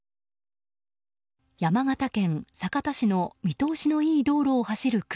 山形県酒田市の見通しのいい道路を走る車。